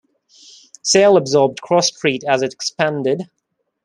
Sale absorbed Cross Street as it expanded.